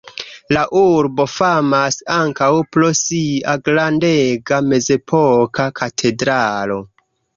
La urbo famas ankaŭ pro sia grandega mezepoka katedralo.